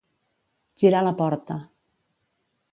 Girar la porta.